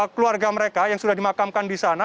keluarga mereka yang sudah dimakamkan di sana